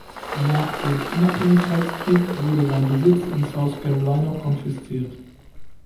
Nach dem Unabhängigkeitskrieg wurde sein Besitz in South Carolina konfisziert.